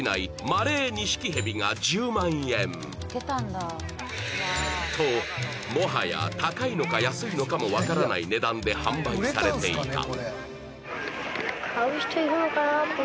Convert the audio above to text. マレーニシキヘビが１０万円ともはや高いのか安いのかも分からない値段で販売されていた